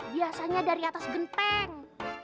biasanya dari atas genteng